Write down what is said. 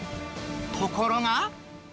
ところが。